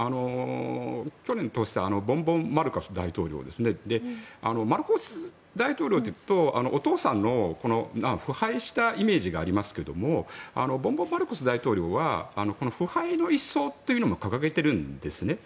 去年当選したボンボン・マルコス大統領マルコス大統領というとお父さんの腐敗したイメージがありますがボンボン・マルコス大統領は腐敗の一層というのも掲げているんですね。